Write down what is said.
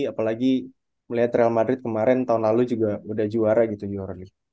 apalagi melihat real madrid kemarin tahun lalu juga udah juara gitu juara